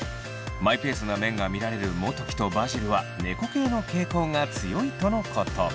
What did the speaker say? マイペースな面が見られるモトキとバジルは猫系の傾向が強いとのこと。